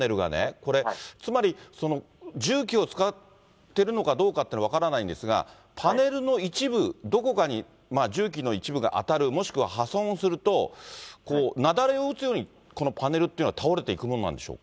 これ、つまり重機を使ってるのかどうかというのは分からないんですが、パネルの一部、どこかに重機の一部が当たる、もしくは破損をすると、雪崩を打つようにこのパネルっていうのは倒れていくものなんでし